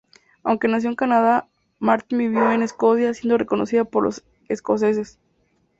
Aunque nació en Canadá, Martyn vivió en Escocia siendo reconocido por los escoceses.